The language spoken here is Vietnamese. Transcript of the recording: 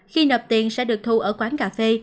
khi nạp tiền sẽ được thu ở quán cà phê